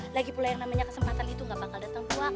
lagipula yang namanya kesempatan itu gak bakal datang dua kali restu